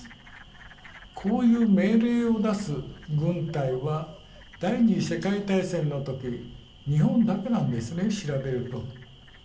こういう命令を出す軍隊は第二次世界大戦の時日本だけなんですね調べると。